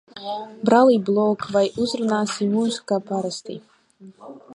Brāli Blok, vai uzrunāsi mūs, kā parasti?